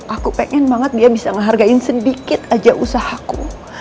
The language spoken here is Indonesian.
aku pengen banget dia bisa ngehargain sedikit aja usahaku